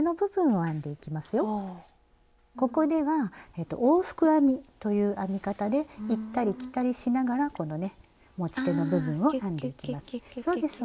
ここでは往復編みという編み方で行ったり来たりしながらこのね持ち手の部分を編んでいきます。